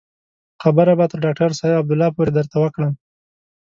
خبره به تر ډاکتر صاحب عبدالله پورې درته وکړم.